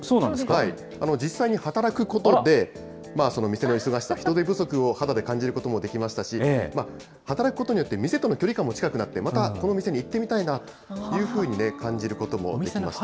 実際に働くことで、店の忙しさ、人手不足を肌で感じることもできましたし、働くことによって店との距離感も近くなって、またこの店に行ってみたいなというふうに感じることもできました。